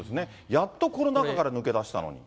やっとコロナ禍から抜け出したのに。